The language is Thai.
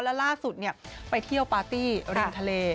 แล้วล่าสุดไปเที่ยวปาร์ตี้ริมทะเล